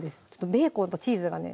ベーコンとチーズがね